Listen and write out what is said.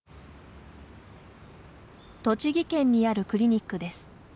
栃木県にあるクリニックです。